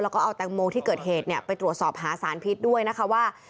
แล้วก็เอาแตงโมที่เกิดเหตุไปตรวจสอบหาสารพิษด้วยนะคะว่า